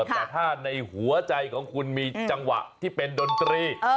แต่ถ้าในหัวใจของคุณมีจังหวะที่เป็นดนตรี